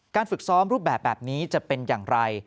ฝึกซ้อมรูปแบบนี้จะเป็นอย่างไร